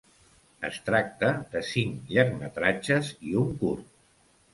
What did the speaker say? Es tracta de cinc llargmetratges i un curt.